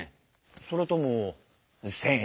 それとも１，０００円？